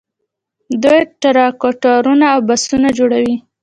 دوی ټراکټورونه او بسونه جوړوي.